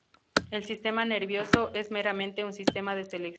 El sistema nervioso es meramente un sistema de selección.